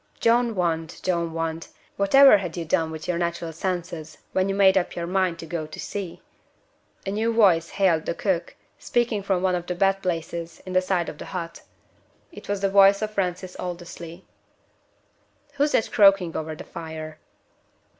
John Want! John Want! whatever had you done with your natural senses when you made up your mind to go to sea?" A new voice hailed the cook, speaking from one of the bed places in the side of the hut. It was the voice of Francis Aldersley. "Who's that croaking over the fire?"